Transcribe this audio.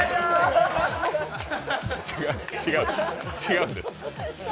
違う、違うんです。